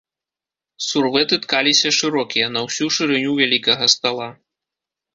Сурвэты ткаліся шырокія, на ўсю шырыню вялікага стала.